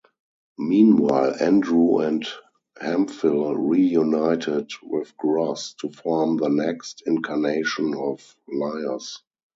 Meanwhile, Andrew and Hemphill reunited with Gross to form the next incarnation of Liars.